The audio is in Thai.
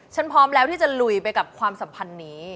พร้อมแล้วที่จะลุยไปกับความสัมพันธ์นี้